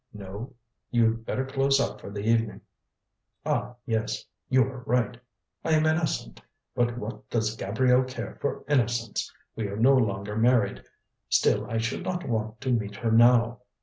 No. You'd better close up for the evening." "Ah, yes you are right. I am innocent but what does Gabrielle care for innocence? We are no longer married still I should not want to meet her now.